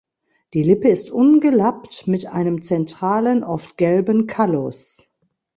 Die Lippe ist ungelappt mit einem zentralen, oft gelben Kallus.